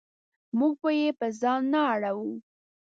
موږ به یې په ځان نه اړوو.